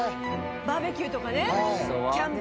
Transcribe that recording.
バーベキューとかねキャンプ。